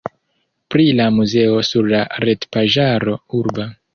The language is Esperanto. Pri la muzeo sur la retpaĝaro urba.